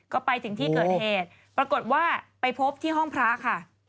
ก็ไปถึงที่เกิดเหตุปรากฏว่าไปพบที่ห้องพระค่ะ